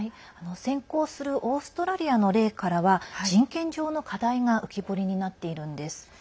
先行するオーストラリアの例からは人権上の課題が浮き彫りになっているんです。